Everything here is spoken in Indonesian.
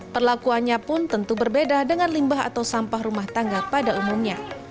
perlakuannya pun tentu berbeda dengan limbah atau sampah rumah tangga pada umumnya